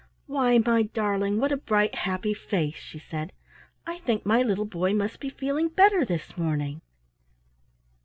"Why, my darling, what a bright, happy face!" she said. "I think my little boy must be feeling better this morning."